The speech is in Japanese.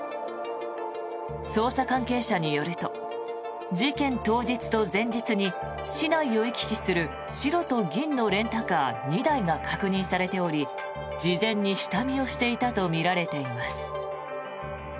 捜査関係者によると事件当日と前日に市内を行き来する白と銀のレンタカー２台が確認されており事前に下見をしていたとみられています。